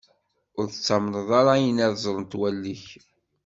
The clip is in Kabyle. Ur tettamneḍ ara ayen ara ẓrent wallen-ik.